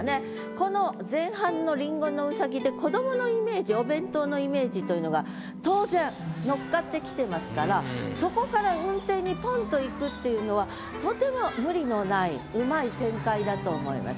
この前半の「林檎のうさぎ」でお弁当のイメージというのが当然乗っかってきてますからそこから雲梯にポンといくっていうのはとても無理のないうまい展開だと思います。